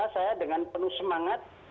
saya dengan penuh semangat